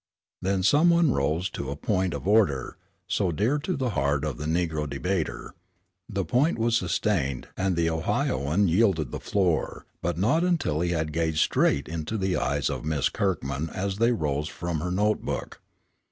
Then some one rose to a point of order, so dear to the heart of the negro debater. The point was sustained and the Ohioan yielded the floor, but not until he had gazed straight into the eyes of Miss Kirkman as they rose from her notebook.